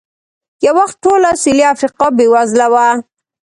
یو وخت ټوله سوېلي افریقا بېوزله وه.